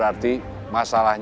kamu selesai karena jakarta